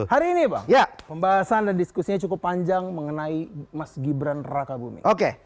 hari ini bang pembahasan dan diskusinya cukup panjang mengenai mas gibran raka bumi